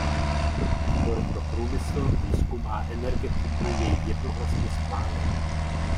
Výbor pro průmysl, výzkum a energetiku jej jednohlasně schválil.